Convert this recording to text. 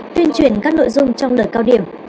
tuyên truyền các nội dung trong lời cao điểm